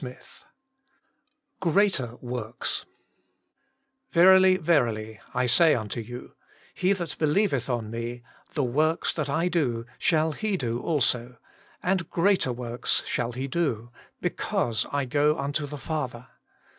VIII Greater IKHovI^s * Verily, verily, I say unto you, He that believ eth on Me, the works that I do shall he do also; and greater works shall he do; because I go unto the Father.